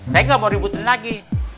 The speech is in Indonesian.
saya nggak mau ributin lagi